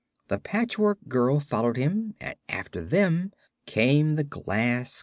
The Patchwork Girl followed him, and after them came the Glass Cat.